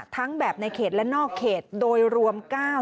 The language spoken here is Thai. ทั้งแบบในเขตและนอกเขตโดยรวม๙